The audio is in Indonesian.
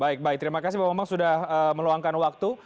baik baik terima kasih pak bambang sudah meluangkan waktu